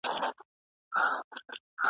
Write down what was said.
زه پاچا یم د ځنګله د ښکرورو .